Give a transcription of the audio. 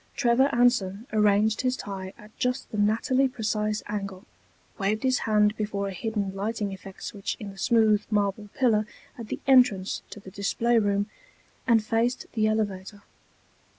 Trevor Anson arranged his tie at just the nattily precise angle, waved his hand before a hidden lighting effect switch in the smooth marble pillar at the entrance to the display room, and faced the elevator.